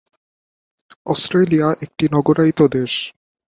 Australia একটি নগরায়িত দেশ।